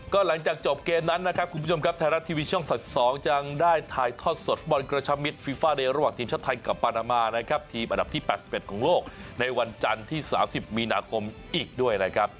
ก็หลังจากจบเกมนั้นนะครับคุณผู้ชมครับไทยรัฐทีวีช่อง๓๒ยังได้ถ่ายทอดสดฟุตบอลกระชมิตรฟิฟาเดย์ระหว่างทีมชาติไทยกับปานามานะครับทีมอันดับที่๘๑ของโลกในวันจันทร์ที่๓๐มีนาคมอีกด้วยนะครับ